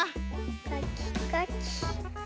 かきかき。